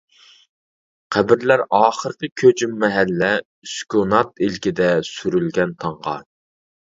قەبرىلەر ئاخىرقى كۆجۈم مەھەللە، سۈكۈنات ئىلكىدە سۈرۈلگەن تاڭغا.